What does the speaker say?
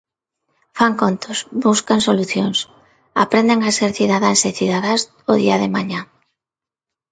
Fan contos, buscan solucións... aprenden a ser cidadáns e cidadás o día de mañá.